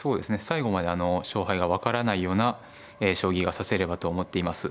最後まで勝敗が分からないような将棋が指せればと思っています。